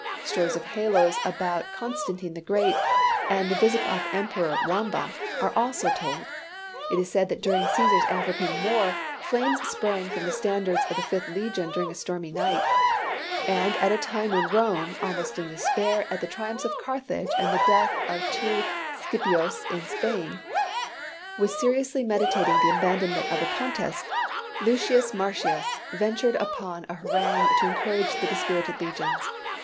Stories of halos about Constantine the Great, and the Visigoth emperor Wamba, are also told. It is said that during Cæsar's African war, flames sprang from the standards of the fifth legion during a stormy night: and at a time when Rome, almost in despair at the triumphs of Carthage and the death of two Scipios in Spain, was seriously meditating the abandonment of the contest, Lucius Marcius ventured upon a harangue to encourage the dispirited legions.